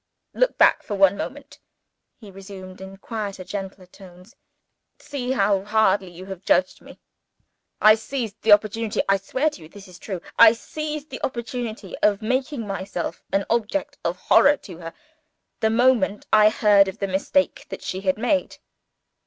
"Look back for one moment," he resumed, in quieter and gentler tones. "See how hardly you have judged me! I seized the opportunity I swear to you this is true I seized the opportunity of making myself an object of horror to her, the moment I heard of the mistake that she had made.